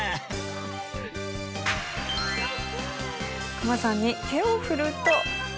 クマさんに手を振ると。